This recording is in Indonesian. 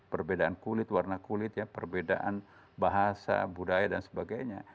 perbedaan kulit warna kulit ya perbedaan bahasa budaya dan sebagainya